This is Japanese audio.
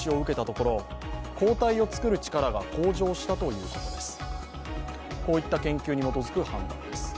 こういった研究に基づく判断です。